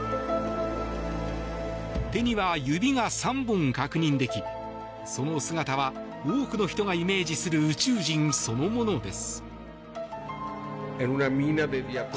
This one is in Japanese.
手には指が３本確認できその姿は多くの人がイメージする宇宙人そのものです。